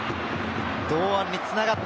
堂安につながった。